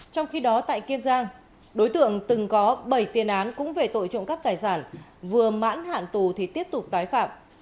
trong khi đó tại kiên giang đối tượng từng có bảy tiền án cũng về tội trộm cắp tài sản vừa mãn hạn tù thì tiếp tục tái phạm